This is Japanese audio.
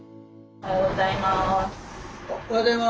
おはようございます。